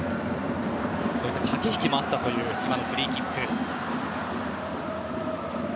そういった駆け引きもあったという今のフリーキック。